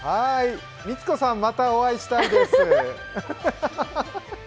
光子さん、またお会いしたいです。